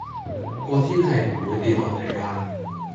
個天係唔會掉落嚟㗎